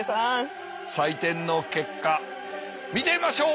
採点の結果見てみましょう！